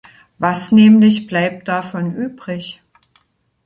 Was nämlich bleibt davon übrig?